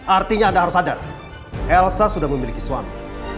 artinya anda harus sadar elsa sudah memiliki suami